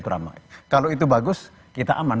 ramai kalau itu bagus kita aman